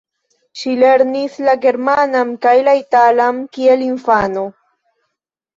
Ŝi lernis la germanan kaj la italan kiel infano.